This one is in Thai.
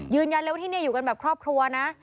ยืนยันเลยว่าที่นี่อยู่กันแบบครอบครัวนะ